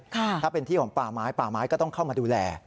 ถ้าเป็นที่ของป่าไม้ป่าไม้ก็ต้องเข้ามาดูแล